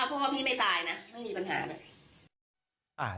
ถ้าพ่อพ่อพ่อพี่ไม่ตายงังไม่มีปัญหาเลย